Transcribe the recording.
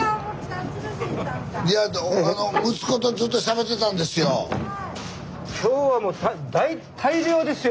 いや息子とずっとしゃべってたんですよ。